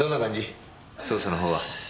捜査のほうは。